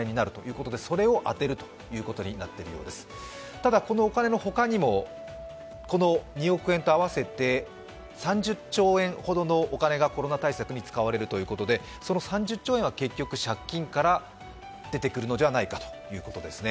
ただ、このお金の他にも２億円と合わせて３０兆円ほどのお金がコロナ対策に使われるということでその３０兆円は結局、借金から出てくるのではないかということですね。